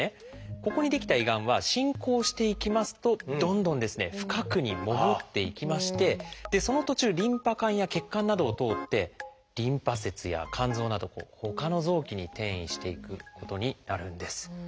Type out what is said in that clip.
ここに出来た胃がんは進行していきますとどんどん深くに潜っていきましてその途中リンパ管や血管などを通ってリンパ節や肝臓などほかの臓器に転移していくことになるんです。